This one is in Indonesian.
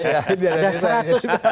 dengan dana desa gitu